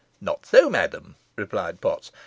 "Not so, madam," replied Potts.